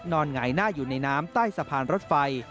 หงายหน้าอยู่ในน้ำใต้สะพานรถไฟ